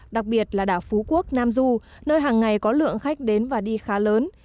đặc biệt là đảo phú quốc nam du nơi hàng ngày có lượng khách đến và đi khá lớn